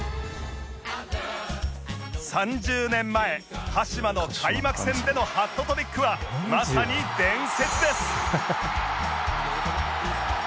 ３０年前鹿島の開幕戦でのハットトリックはまさに伝説です